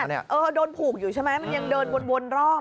มันยังเดินวนรอบ